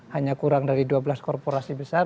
hanya kurang dari dua belas korporasi besar